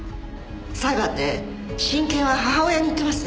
裁判で親権は母親にいってます。